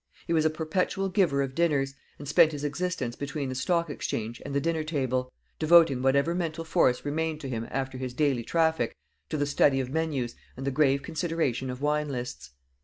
He was a perpetual giver of dinners, and spent his existence between the Stock Exchange and the dinner table, devoting whatever mental force remained to him after his daily traffic to the study of menus, and the grave consideration of wine lists.